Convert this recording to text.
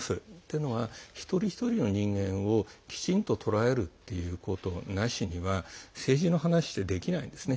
というのは一人一人のことをきちんと捉えることなしには政治の話ってできないですね。